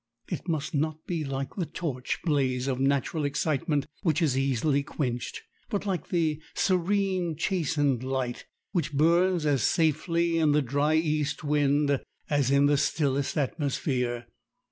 It must not be like the torch blaze of natural excitement, which is easily quenched, but like the serene, chastened light, which burns as safely in the dry east wind as in the stillest atmosphere.